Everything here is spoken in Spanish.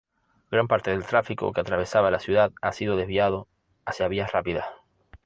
Gran parte del tráfico que atravesaba la ciudad ha sido desviado hacia vías rápidas.